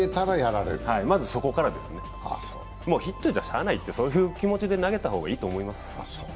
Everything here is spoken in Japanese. まずそこからですね、ヒット出たらしゃあないという、そういう気持ちで投げた方がいいと思います。